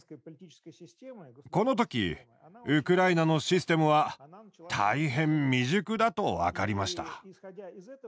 この時ウクライナのシステムは大変未熟だと分かりました。